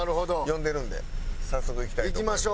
呼んでるんで早速行きたいと思います。